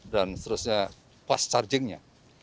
dan seterusnya fast chargingnya